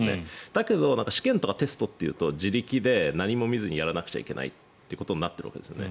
だけど、試験とかテストというと自力で何も見ずにやらなくちゃいけないってことになっているわけですよね。